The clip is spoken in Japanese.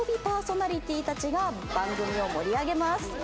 パーソナリティーたちが番組を盛り上げます。